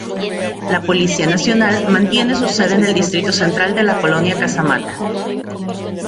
La Policía Nacional mantiene su sede en el Distrito Central en la Colonia Casamata.